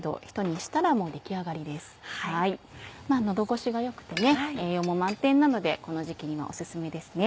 喉越しが良くて栄養も満点なのでこの時期にはオススメですね。